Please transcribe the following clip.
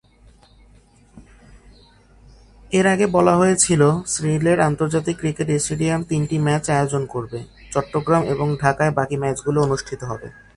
এর আগে বলা হয়েছিল, সিলেট আন্তর্জাতিক ক্রিকেট স্টেডিয়াম তিনটি ম্যাচ আয়োজন করবে, চট্টগ্রাম এবং ঢাকায় বাকি ম্যাচগুলি অনুষ্ঠিত হবে।